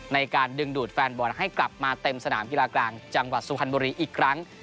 ในการดึงดูดแฟนบอลให้กลับมาเต็มสนามกีฬากลางจังหวัดสุพรรณบุรีอีกครั้ง